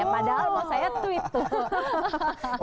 padahal mau saya tweet tuh